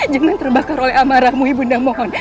jangan terbakar oleh amarahmu ibunda mohon